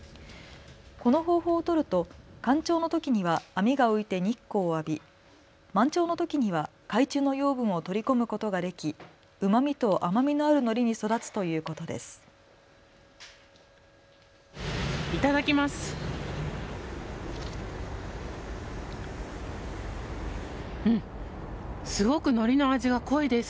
この方法をとると干潮のときには網が浮いて日光を浴び満潮のときには海中の養分を取り込むことができ、うまみと甘みのあるのりに育つということです。